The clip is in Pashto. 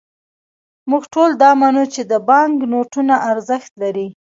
موږ ټول دا منو، چې دا بانکنوټونه ارزښت لري.